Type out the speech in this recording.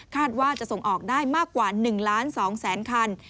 ว่าจะส่งออกได้มากกว่า๑ล้าน๒แสนคัน